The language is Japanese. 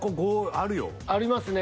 ありますね。